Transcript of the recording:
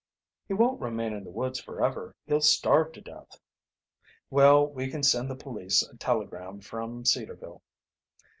"He won't remain in the woods forever. He'll starve to death." "Well, we can send the police a telegram from Cedarville."